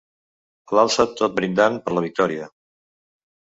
L'alça tot brindant per la victòria.